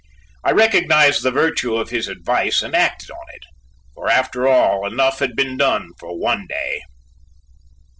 I recognized the virtue of his advice and acted on it, for after all enough had been done for one day.